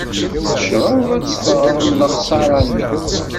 Necreḍ ad d-teɣrem lexsara-nni.